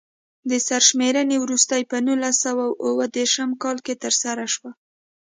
د سرشمېرنې وروستۍ په نولس سوه اووه دېرش کال کې ترسره شوه.